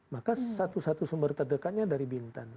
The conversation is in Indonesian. maka satu satu sumber terdekatnya dari bintan